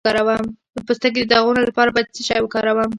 د پوستکي د داغونو لپاره باید څه شی وکاروم؟